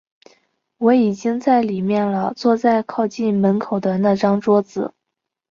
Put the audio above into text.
我已经在里面了，坐在靠近门口的那张桌子。